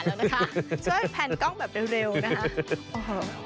ช่วยแผ่นกล้องแบบเร็วนะคะ